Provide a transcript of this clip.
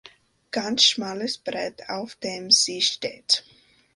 Ganz schmales Brett, auf dem sie steht.